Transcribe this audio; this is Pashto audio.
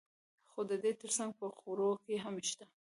خو د دې ترڅنګ په خوړو کې هم شته.